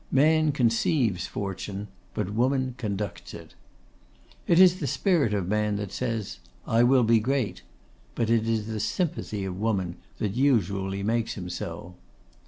Man conceives Fortune, but Woman conducts it. It is the Spirit of Man that says, 'I will be great;' but it is the Sympathy of Woman that usually makes him so.